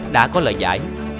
đã có lời giải